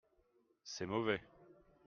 C'est mauvais.